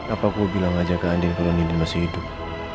apa gue bilang aja ke andien kalau nidin masih hidup